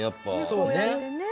こうやってね。